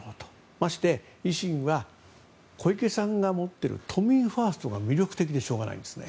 まして、維新は小池さんが持っている都民ファーストが魅力的でしょうがないんですね。